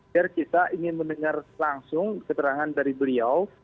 dan kita ingin mendengar langsung keterangan dari beliau